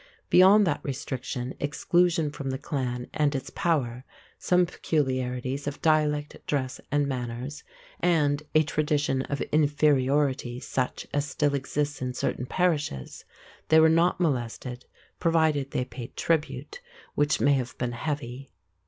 Beyond that restriction, exclusion from the clan and its power, some peculiarities of dialect, dress, and manners, and a tradition of inferiority such as still exists in certain parishes, they were not molested, provided they paid tribute, which may have been heavy.